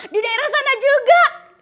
di daerah sana juga